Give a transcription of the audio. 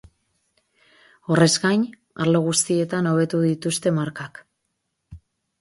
Horrez gain, arlo guztietan hobetu dituzte markak.